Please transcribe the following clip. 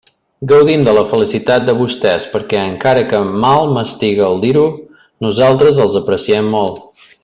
Gaudim de la felicitat de vostès, perquè, encara que mal m'estiga el dir-ho, nosaltres els apreciem molt.